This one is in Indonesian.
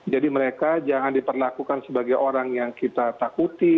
jadi mereka jangan diperlakukan sebagai orang yang kita takuti